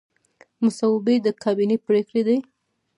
مصوبې د کابینې پریکړې دي